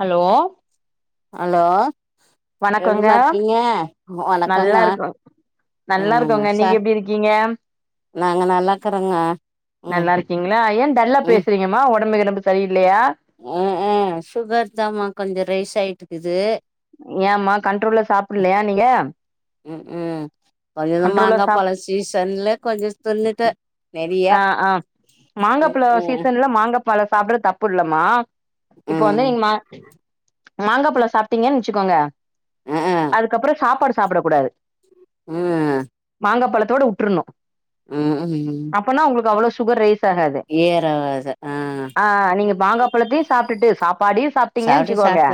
hello hello வணக்கங்க எப்டிமா இருக்கீங்க நல்லா வணக்கங்க இருக்கோ ஆ நல்லா இருக்கோங்க நீங்க சார் எப்டி இருக்கீங்க நாங்க நல்லாக்கறோங்க ம் நல்லா இருக்கீங்களா ஏன் டல்லா பேசுறீங்க மா ஒடம்பு கிடம்பு சரியில்லையா ஆ ஆ சுகர் தாம்மா கொஞ்ச ரைஸ் ஆயிட்டுருக்குது ஏம்மா கண்ட்ரோல்ல சாப்புல்லையா நீங்க ம்ஹு கொஞ்ச இது கண்ட்ரோலா மாங்கா சாப் பழ சீசன்ல கொஞ்ச தின்னுட்ட ஆ ஆ மாங்கப்பழ ம் சீசன்ல மாங்கப்பழ சாப்புட்றது தப்பு இல்லம்மா இப்போ வந்து ம் நீங்க மா மாங்கா பழோ சாப்ட்டீங்கன்னு வச்சுக்கோங்க ஆ அதுக்கப்புற சாப்பாடு சாப்புடக் கூடாது ம் மாங்கா பழத்தோட உட்ருணு ம் ம் சொன்னா உங்களுக்கு அவ்ளோ சுகர் ரைஸ் ஆகாது ஏறாவாது ஆ ஆ நீங்க மாங்கா பழத்தையு சாப்ட்டுட்டு சாப்பாடையு சாப் டீங்கனு சாப்ட வச்சுக்கோங்க சாப்ட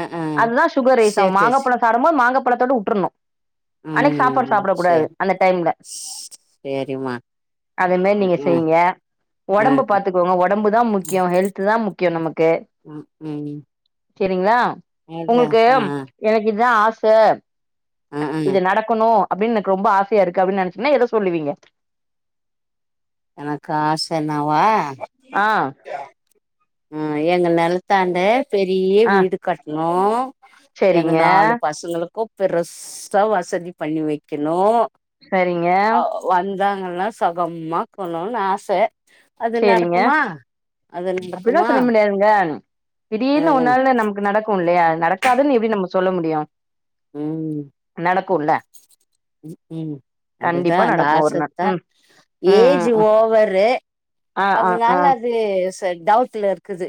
ஆ ஆ அதுதா சுகர் ரைஸ்ஸாவு சேர் சேர் சே மாங்காப்பழ சாப்டும்போது மாங்கப்பழத்தோட உட்டுருணு அன்னைக்கு சாப்பாடு ம் சாப்புடக்கூடாது சேரி அந்த டைம்ல சேரிம்மா அதுமேரி ம் நீங்க ம் செய்ங்க ஆ ஒடம்பு பாத்துக்கோங்க ஒடம்பு தா முக்கியம் ஹெல்த்து தா முக்கியம் நமக்கு ம் சேரிங்களா அதா உங்களுக்கு ஆ எனக்கு இதுதா ஆச ஆ ஆ இது நடக்கணு அப்டின்னு எனக்கு ரொம்ப ஆசையா இருக்கு அப்டின்னு நெனைச்சீங்கன்னா எத சொல்லுவீங்க எனக்கு ஆசன்னாவா ஆ ம் எங்க நெலத்தாண்ட பெரிய ஆ வீடு கட்ணு எங்க சரிங்க நாலு பசங்களுக்கு பெருசா வசதி பண்ணி வக்கணு சரிங்க வந்தாங்கன்னா சொகமாக்குணுன்னு ஆச அது சரிங்க நடக்குமா அது அப்டிலா நடக்குமா சொல்ல முடியாதுங்க அ திடீர்னு ஒரு அ நாள்ல நமக்கு நடக் கள் இல்லியா அத நடக்காதுன்னு எப்டி நம்ம சொல்ல முடியு ம் நடக்குல்ல ம் அப்டிதா கண்டிப்பா அந்த நடக்கு ஒரு நாள் ஆசத்தா ம் ம் ஏஜ் ம் ம் ஓவரு ஆ ஆ ஆ அதுனால அது சே டவுட்ல இருக்குது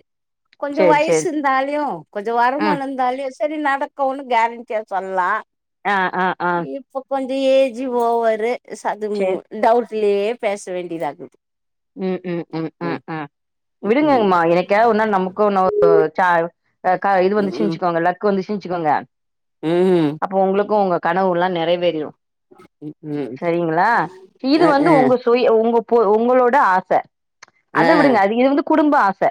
கொஞ்சம் சேரி வயசு சேரி இருந்தாலுயு கொஞ்சோ ம் வருமானோ இருந்தாலயு சேரி நடக்கும்னு கே கே சொல்லா ஆ ஆ ஆ கொஞ்ச ஏஜி ஓவரு ஸ அதும் சேரி டவுட்லயே பேச வேண்டியதாக்குது ம் ம் ம் ம் விடுங்கங்கம்மா என்னக்கியா ஒரு நாள் நமக்கு ஒன்ன ஒரு சா ஆ கா இது வந்துச்சு வெச்சுக்கோங்கல்லே இப்போ வந்துச்சுன் வச்சுக்கோங்க ம் அப்போ உங்களுக்கு உங்க கனவுல்லா நெறைவேறிரும் ம் ம் செரிங்களா இது அ வந்து அ உங்க ஸ்கூ போய் உங்க போ உங்களோட ஆச அ அத விடுங்க அது இது வந்து குடும்ப ஆச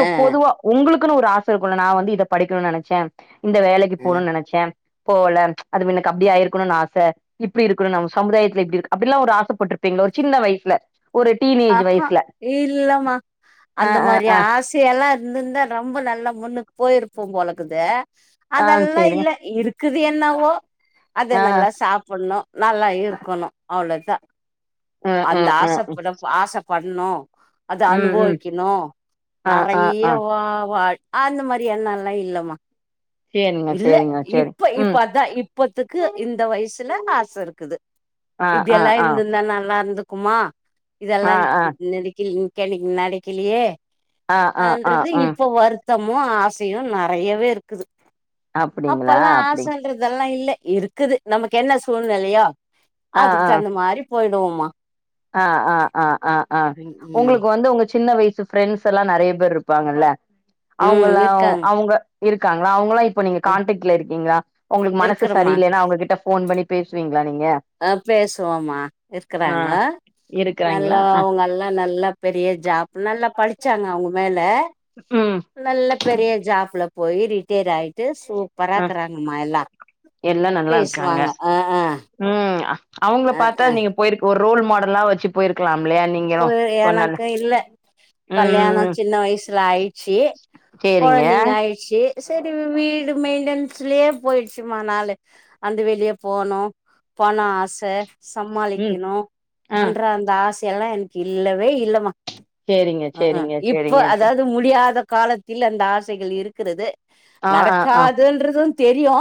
அ பொதுவா உங்களுக்குன்னு ஒரு ஆச இருக்குல்ல நா வந்து இத படிக்கணுன்னு நெனைச்சே இந்த வேலைக் இப் அ போணுன்னு நெனச்சே போகல அது மின்னுக்கு அப்புடியே ஆயிருக்கனுன்னு ஆச இப்டி இருக்கணும் நம் சமுதாயத்துல இப்டி இருக் அப்டிலா ஒரு ஆசப்பட்ருப்பீங்களோ ஒரு சின்ன வயசுல ஒரு டீனேஜ் ஆஹா வயசுல இல்லமா ஆ அந்த ஆ மாரி ஆ ஆஸ் தி எல்லா இருந்திருந்தா ரொம்ப நல்லா முன்னுக்கு போயிருப்போ போலக்குது ஆ அதெல்லா சேரிங்க இல்ல இருக்குது என்னவோ அத ஆ நல்லா சாப்புனு நல்லா இருக்கணு அவ்ளோதா ஆ ஆ அந்த ஆ ஆசப்படப் ஆச பட்ணு அத ம் ம் அனுபவிக்கணு ஆ ஆ ஆ நெறயா வா வா அந்த மாரி என்னல்லா இல்லமா சேரிங்க இல்ல சேரிங்க சேரி இப்ப இப்ப ம் அதா இ ப்பத்துக்கு இந்த வயசுல ஆச இருக்குது ஆ ஆ இப்டியெல்லா ஆ இருந்துருந்தா நா நடந்துக்குமா இதெல்லா ஆ ஆ நெனக் நெனக் நடகிலையே அ ஆ ஆ ஆ ன்றது ம் இப்போ வருத்தமு ஆசையு நெறையவே இருக்குது அப்டிங்களா அப்பல்லா அப்டி ஆசன்றதெல்லா இல்ல இருக்குது நமக்கு என்ன சூழ்நெலையோ ஆ அதுக்கு ஆ தகுந்த மாரி போய்டுவோம்மா ஆ ஆ ஆ ஆ ஆ ம் ம் உங்களுக்கு வந்து உங்க சின்ன வயசு ப்ரெண்ட்ஸெல்லா நெறைய பேர் இருப்பாங்கல்ல ம் அவுங்கல்லா இருக்காங்க அவுங்க இருக்காங்ளா அவுங்கல்லா இப் இப்போ நீங்க ம் கான்டாக்ட்ல இருக்கீங்களா உங்களுக்கு மனசு இருக்கறமா சரியில்லைன்னா அவங்ககிட்ட ஃபோன் பண்ணி பேசுவீங்களா நீங்க ஆ பேசுவோமா ஆ இருக்குறாங்க இருக்கறாங்களா நல்லா அ அவங்கல்லா நல்லா பெரிய ஜாப் நல்லா படிச்சாங்க அவங்க மேல ம் நல்ல பெரிய ஜாப்ல போய் ரிட்டேயர் ஆய்ட்டு சோ அ பறாக்குறாங்கம்மா எல்லா எல்லா நல்லா இருக்காங்க பேசுவாங்க ஆ ஆ ம் அவுங்கள ஆ பாத்தாது நீங்க போயிருக் ஒரு ரோல் மாடல்லா வச்சு போயிருக்கலாம்லையா நீங் ஒரு எனக்கு இல்ல கல்யாணோ ம் சின்ன வயசுல ஆயிட்ச்சு சேரிங்க கொழந்தைங்க ஆயிச் ச்சு சரி வீடு மெயிண்டன்ஸ்லயே போயிடுச்சுமா நாலு அந்த வெளிய போனு போனா ஆச ம் சமாளிக்கணு ஆ அன்ற அந்த ஆசையல்லா எனக்கு இல்லவே இல்லமா சேரிங்க அ அ சேரிங்க இப்ப சேரிங்க சே அதாவது முடியாத காலத் இல்ல அந்த ஆசைகள் இருக்கிறது ஆ ஆ ஆ நடக்காதுன்றது தெரியு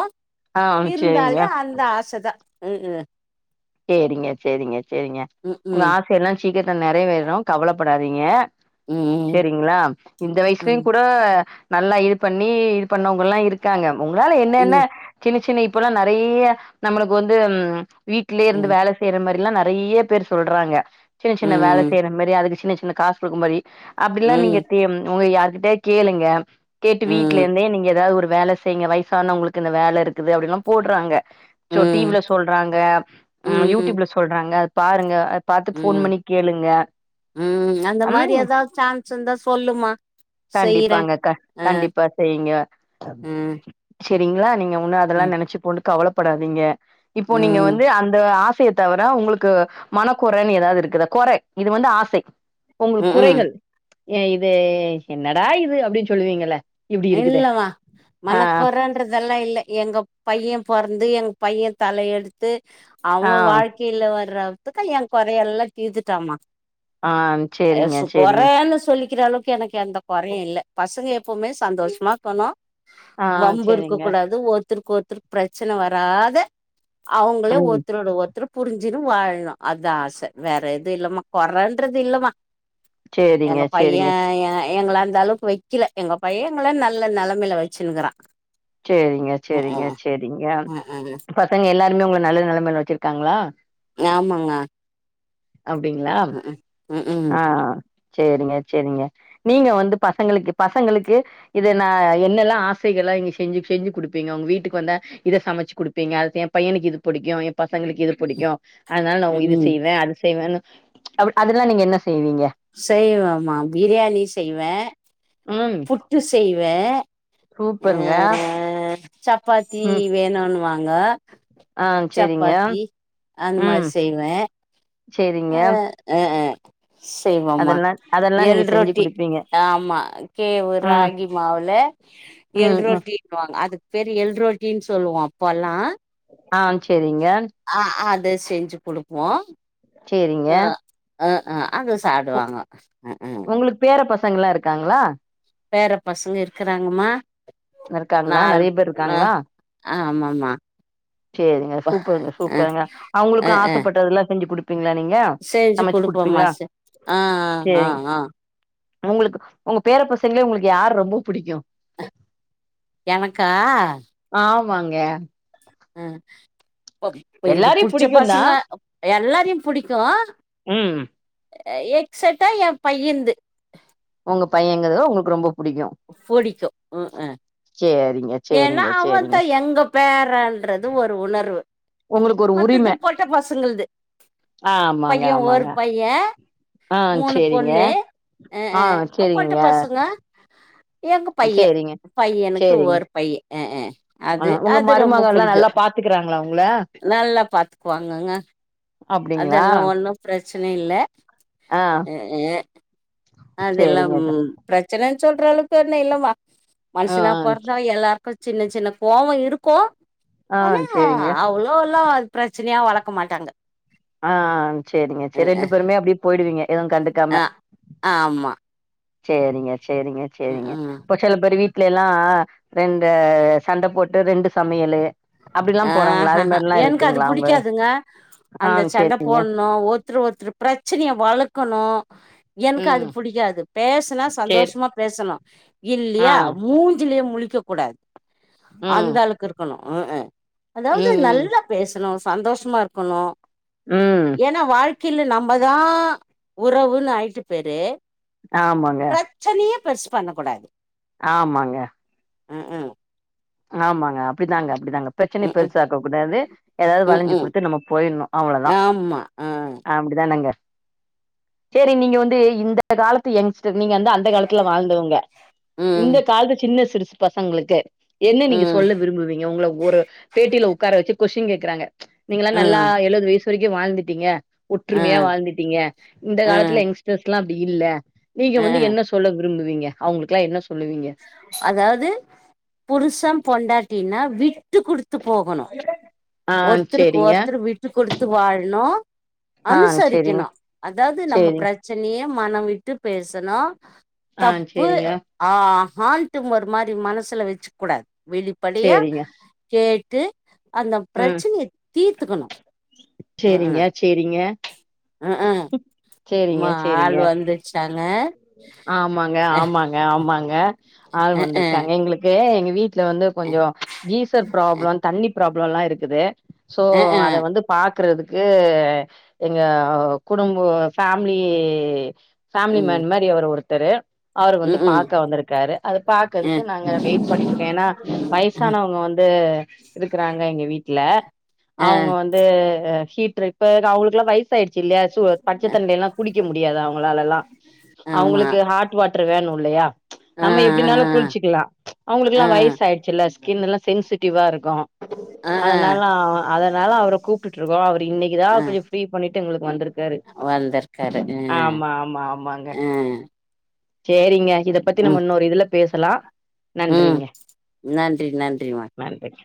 ஆ சேரிங்க இருந்தாலே அந்த ஆசதா ம் ம் சேரிங்க சேரிங்க சேரிங்க உங்க ம் ஆசையல்லா சீக்கிரத்துல நெறை வேறு கவலப்படாதீங்க ம் சேரிங்களா இந்த வைசுலயு ம் கூட நல்லா இது பண்ணி இது பண்ணவங்க எல்லா இருக் இருக்காங்க உங்களால என்னென்ன ம் சின்ன சின்ன இப்பல்லா நெறய நம்மளுக்கு வந்து வீட் வீட்லியே இருந்து ம் வேல செய்ற மாரில்லா நெறைய பேர் சொல்றாங்க சின்ன சின்ன வேல ம் செய்ற மாறி அதுக்கு சின்ன சின்ன காசு குடுக்கமாறி ம் அப்டில்லா நீங்க ம் தே உங்க யாருகிட்ட கேளுங்க கேட்டு வீட்ல ம் இருந்தே நீங்க ஏதாவது ஒரு வேல செய்ங்க வயசானவங்களுக்கு இந்த வேல இருக்குது அப்டில்லா போட்றாங்க சோ டி வி ம் ல சொல்றாங்க ம் யூடூப்ல சொல்றாங்க அத பாருங்க பாத்து ஃபோன் ம் பண்ணி கேளுங்க ம் அந்த ம் மாறி ஏதாது சான்ஸ் இருந்தா சொல்லுமா செய்யறே கண்டிப்பாங்கக்கா அ கண்டிப்பா செய்ங்க ம் செரிங்களா நீங்க ஒண்ணு அதெல்லா ம் நெனச்சு போண்டு கவலப்படாதீங்க இப்போ நீங்க ம் வந்து அந் இது ஆசைய தவிர உங்குளுக்கு மனக்கொறன்னு ஏதாவது இருக்குதா கொற இது வந்து ஆசை ஒங்களுக் ம் ம் குறைகள் எ இது என்னடா இது அப்டின் சொல்லுவீங்கள இல்லமா மனக்கொரன் ன்றதெல்லா இல்ல எங்க பையன் பொறந்து எங்க பையன் தல எடுத்து ஆ அவோ வாழ் கீழ வர்றத்துக்கு ஏ குறை எல்லா தீத்துடாமா ஆ செரிங்க ஏசு செரிங்க கொறன்னு சொல்லிக்கிற அளவ் க்கு எனக்கு எந்த கொறையு இல்ல பசங்க எப்போமே சந்தோஷமா க்கணு ஆ வம்பு இருக்க செரிங்க கூடாது ஒருத்தருக்கு ஒருத்தருக்கு பிரச்சன வராத அவுங்களே ம் ஒருத்தரோட ஒருத்தரு புரிஞ்சினு வாழலா அதா ஆச வேற எது இல்லமா கொறன்றது இல்லமா செரிங்க எங்க பையே செரிங்க ஏ‌ எங்கள அந்த அளவுக்கு வக்கல எங்க பையேங்கள நல்ல நெலைமைல வச்சிருக்குறா சேரிங்க சேரிங்க சேரிங்க ம் ம் பசங்க எல்லாருமே உங்கள நல்ல நெலமைல வெச்சுருக்காங்களா ஞாமாங்க அப்டிங்களா ம்ஹூம் ஆ சேரிங்க சேரிங்க நீங்க வந்து பசங்களுக்கு பசங்களுக்கு இத நா என்னெல்லா ஆசைகளல்லா [unintelligible] செஞ்சு செஞ்சு குடுப்பீங்க உங்க வீட்டுக்கு வந்தா இத சமச்சு குடுப்பீங்க அ ஏ பையனுக்கு இது புடிக்கு ஏ பசங்களுக்கு இது புடிக்கு அதனால நா உ இது ம்ஹூம் செய்வேனு அது செய்வேனு அப்டி அதெல்லா நீங்க என்ன செய்வீங்க செய்வேமா பிரியாணி செய்வே புட்டு செய்வே ஆ சூப்பர்ங்க சப்பாத்தி வேணுனு வாங்க ஆ சேரிங்க சப்பாத்தி அந் மாரி ம் செய்வே சேரிங்க ஆ ஆ ஆ செய்வோமா அதெல்லா அதெல்லா எல் நீங்க செஞ்சு ரொட்டி குடுப்பீங்க ஆமா கேவு ம் ராகி மாவுல எல் ம் ம் ரொட்டினு வாங்க அதுக்கு பேரு எல் ரொட்டின்னு சொல்லுவோ அப்போலா ஆ சேரிங்க ஆ அத செஞ்சு குடுப்போ சேரிங்க ஆ ஆ ஆ அத சாப்டுவாங்க ஹம் ம் உங்களுக்கு பேர பசங்க லா இருக்காங்களா பேர பசங்க இருக்குறாங்கமா இருக்காங்களா நால் நெறைய பேர் நா இருக்காங்களா ஆமாமா சேரிங்க சூப்பருங்க ஆ சூப்பருங்க அவுங்களுக்கு ஆ ஆ ஆசப்பட்டதெல்லா செஞ்சு குடுப் ப்பீங்களா நீங்க செஞ்சு சமச்சு குடுப்போம்மா குடுப்பீங்களா செ ஆ ஆ சேரிங் ஆ உங்களுக்கு உங்க பேர பசங்ளே உங்களுக்கு யார ரொம்ப புடிக்கு எனக்கா ஆமாங்க அ ப்போ இப்ப இது எல்லாரையு புடிச்ச புடிக்குந்தா பசங்க எல்லாரையு புடிக்கு ம் எக்ஸெட்டா என் பையன்து ஒங்க பையங்கிறத ஒங்களுக்கு ரொம்ப புடிக்கு ஃபொடிக்கு ம் அ சேரிங்க ஏன்னா சேரிங்க அவன் சேரிங்க தா எங்க பேரன்றது ஒரு உணர்வு உங்களுக்கு ஒரு உரிம மத்தது போட்ட பசங்கள்து ஆமாங்க பைய ஒரு ஆமாங்க பைய ஆ மூணு சேரிங்க பொண்ணு அ ஆ ஹ பொட்ட சேரிங்க பசங்க எங்க பையே சேரிங்க பையனுக்கு சேரிங்க ஒரு பைய அ அ ஆ அது உங்க அது ரொம்ப மருமகல்லா புடிக்கு நல்லா பாத்துக்கறாங்களா உங்கள நல்லா பாத்துகுவாங்கங்க அப்டிங்களா அதெல்லா ஒன்னு பிரச்சன இல்ல ஆ அ ஆ அதெல்லாம் சேரிங்க பிரச்சனன்னு சொல்ற அளவுக்கு ஒன்னு இல்லதா ஆ மனுஷனா பொறந்தாவே எல்லாருக்கு சின்ன சின்ன கோவோ இருக்கு ஆ ஆனா சேரிங்க அவ்ளோ வுல்லா பிரச்சனையா வளக்க மாட்டாங்க ஆ சேரிங்க சேரி ரெண்டு பேருமே அப்டியே போயிடுவீங்க எதுவு கண்டு அ ஆமா சேரிங்க சேரிங்க ம் சேரிங்க ம் செல பேர் வீட்லேல்லா ரெண்டு சண்ட போட்டு ரெண்டு சமையலு அப்டிலா ஆ போறாங்களா அது ஹாஹ மாரிலா எனக்கு அது இருக்குங்களா உங்க புடிகாதுங்க ஆ அந்த சண்ட சேரிங்க போன்ணு ஓ ருத்தரு ஒருத்தரு பிரச்சனையே வளக்கணு எனக்கு அது ம் புடிக்காது பேசுனா சேரி சந்தோஷமா பேசணு ஆ இல்லியா மூஞ்சிலயே முழிக்க கூடாது ம் அந்த அளக்கு இருக்கணு அ ஹா அதாவது ம் ம் நல்ல பேசணு சந்தோஷமா இருக்கணு ம் என வாழ்க்கையில நம்மதா உறவுன்னு ஆயிற்று பேரே ஆமாங்க பிரச்சனையே பெருசு பண்ண கூடாது ஆமாங்க அ ஹா ஆமாங்க அப்படிதாங்க அப்படிதாங்க பிரச்சனைய ம் ம் பெருசாக்க கூடாது ஏதாவது ம் வளைஞ்சு ம் குடுத்து நம்ம போயின்னு அவ்ளோ தா ஆமா ஆ அப்டித்தானங்க சேரி நீங்க வந்து இந்த இந்த காலத்து எங்ஸ்டர் நீங்க வந்து அந்த காலத்துல வாழ்ந்தவங்க ம் இந்த காலத்து சின்ன சிறுசு பசங்களுக்கு என்ன நீங்க ம் சொல்ல விரும்புவீங்க உங்கள ஒரு பேட்டியில உட்கார வெச்சு கொஷின் கேக்கறாங்க நீங்கெல்லா ஆ நல்லா எழுவது வயசு வரைக்கு வாழ்ந்துட்டீங்க ஆ ஒற்றுமையா வாழ்ந்துட்டீங்க இந்த ஆ காலத்துல எங்ஸ்டர்ஸ்ல்லா அப்படி இல்ல நீங்க வந்து ஆ என்ன சொல்ல விரும் விரும்புவீங்க அவங்களுக்கெல்லா என்ன சொல்லுவீங்க அதாவது புருசன் பொண்டாட்டினா விட்டு குடுத்து போகணு [unintelligible] ஒருத்தருக்கு சேரிங்க ஒருத்தரு விட்டு கொடுத்து வாழனு ஆ சேரிங்க அனுசரிக்கணு அதாவது நம்ம சேரிங் பிரச்ச பனையே மன விட்டு பேசனு ஆ தப்பு சேரிங்க ஆ ஹால்டிம்மர் மாரி மனசுல வெச்சுக்க கூடாது வெளிப்படையா சேரிங்க கேட்டு அந்த ம் பிரச்சனைய தீர்த்துக்கணு சேரிங்க சேரிங்க அ ஹாஹ் சேரிங்க சேரிங்க ஆமாங்க ஆமாங்க ஆமாங்க ஆள் ம்ஹும் வந்துருக்காங்க ம்ஹும் எங்களுக்கு எங்க வீ ட்ல வந்து கொஞ்சோ டிசல் பராப்ளம் தண்ணி பராப்ளமெல்லா இருக்குது சோ அத வந்து பாக்கறதுக்கு எங்க குடும்ப ஃபேமிலி ஃபேமிலி மேன் மாரி அவர் ஒருத்தரு அவரு வந்து பாக்க வந்துருக்காரு அத பாக்கறதுக்கு ம் ம்ஹும் ம் நாங்க வெயிட் பண்ணிட்ராகோ ஏன்னா வய சானவங்க வந்து இருக்கறாங்க எங்க வீட்ல ஆ அவங்க வந்து ஹீட்ரு இப்ப அவங்களுக்கெல்லா வயசு சாயிடுச்சு இல்லையா சு பச்ச தண்ணிலேல்லா குளிக்க முடியாது அவங்களாலெல்லா ஆமா அவுங்களுக்கு ஹார்ட் வாட்டர் வேணு இல்லையா ஆ நம்ம எப்டினாலு குளிச்சுக்கலா அவங்களுக்கு ஆ ஆ எல்லா வயசு ஆயிடுச்சுல்ல ஸ்கின் எல்லா சென்சிட்டிவா இருக்கு அ அதனால அதனால அவர கூப்டுட்டு இருக்கோ அவரு இன்னைக்குதா கொஞ்ச ஃப்ரீ பண்ணிட்டு எங்களுக்கு வந்திருக்காரு வந்துருக்காரு ஆமா ஆமா அ ஆமாங்க அ சேரிங்க இத பத்தி நம்ம இன்னொரு இதுல பேசலா ம் நன்றிங்க நன்றி நன்றிமா நன்றிங்க